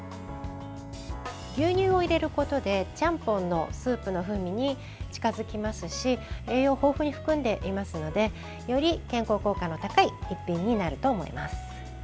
牛乳を入れることでちゃんぽんのスープの風味に近づきますし栄養を豊富に含んでいますのでより健康効果の高い一品になると思います。